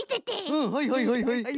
うんはいはいはいはいはい。